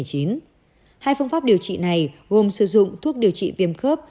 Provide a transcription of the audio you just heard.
hai phương pháp điều trị này gồm sử dụng thuốc điều trị viêm khớp